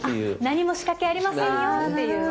何も仕掛けありせんよっていう。